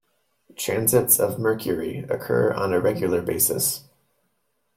Transits of Mercury occur on a regular basis.